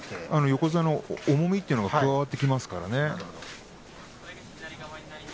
横綱の重みというのが加わっていきますからね。